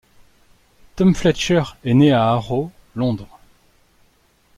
Tom Fletcher est né à Harrow, Londres.